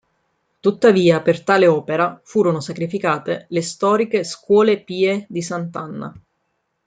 Tuttavia per tale opera furono sacrificate le storiche Scuole Pie di Sant'Anna.